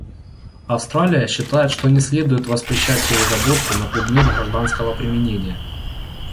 Австралия считает, что не следует воспрещать переработку на предмет гражданского применения.